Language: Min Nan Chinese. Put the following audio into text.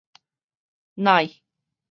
氖